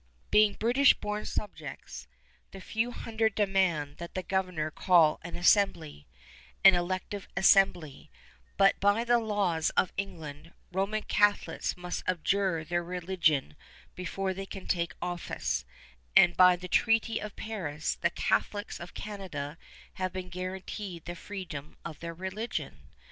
[Illustration: NORTH AMERICA AT THE CLOSE OF THE FRENCH WARS, 1763] Being British born subjects, the few hundred demand that the Governor call an assembly, an elective assembly; but by the laws of England, Roman Catholics must abjure their religion before they can take office, and by the Treaty of Paris the Catholics of Canada have been guaranteed the freedom of their religion.